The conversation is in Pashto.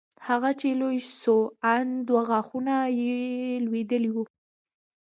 هغه چې لوى سو ان دوه غاښونه يې لوېدلي وو.